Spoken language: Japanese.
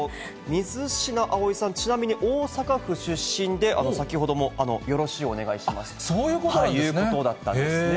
水科葵さん、ちなみに大阪府出身で、先ほども、よろしゅうお願いしますということだったんですね。